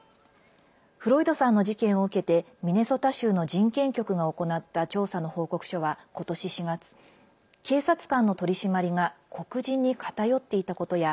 フロイドさんの事件を受けてミネソタ州の人権局が行った調査の報告書は、ことし４月警察官の取り締まりが黒人に偏っていたことや